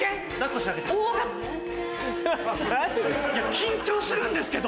緊張するんですけど。